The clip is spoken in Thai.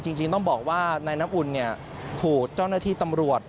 จริงต้องบอกว่านายน้ำอุ่นถูกเจ้าหน้าที่ตำรวจ